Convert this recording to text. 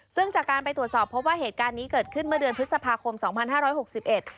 ซึ่งจากการไปตรวจสอบพบว่าเหตุการณ์นี้เกิดขึ้นเมื่อเดือนพฤษภาคมสองพันห้าร้อยหกสิบเอ็ด